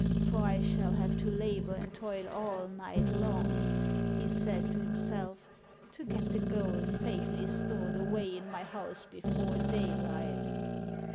For I shall have to labor and toil all night long," he said to himself, " to get the gold safely stored away in my house before daylight.'